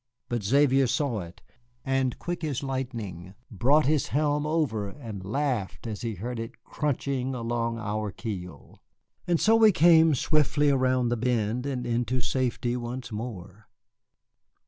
But Xavier saw it, and quick as lightning brought his helm over and laughed as he heard it crunching along our keel. And so we came swiftly around the bend and into safety once more.